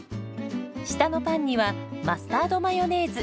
下のパンにはマスタードマヨネーズ。